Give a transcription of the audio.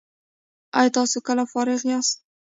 ایا تاسو کله فارغ یاست؟